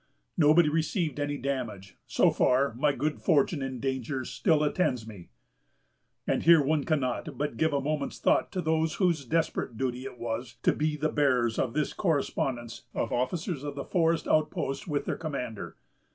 Nobody received any damage. So far, my good fortune in dangers still attends me." And here one cannot but give a moment's thought to those whose desperate duty it was to be the bearers of this correspondence of the officers of the forest outposts with their commander.